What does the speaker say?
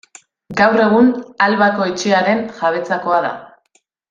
Gaur egun Albako Etxearen jabetzakoa da.